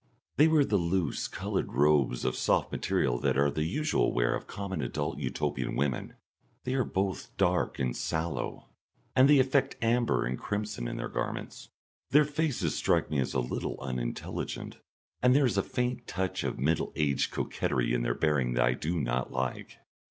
They wear the loose, coloured robes of soft material that are the usual wear of common adult Utopian women; they are both dark and sallow, and they affect amber and crimson in their garments. Their faces strike me as a little unintelligent, and there is a faint touch of middle aged coquetry in their bearing that I do not like.